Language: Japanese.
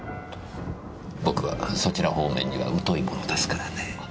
僕はそちら方面には疎いものですからねぇ。